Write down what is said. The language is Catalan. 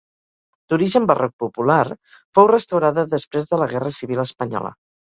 D'origen barroc popular, fou restaurada després de la Guerra Civil Espanyola.